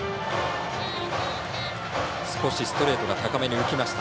少しストレートが高めに浮きました。